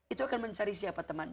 itu akan mencari siapa teman